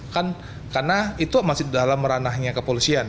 kan karena itu masih dalam ranahnya kepolisian